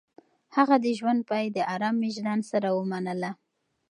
هغه د ژوند پاى د ارام وجدان سره ومنله.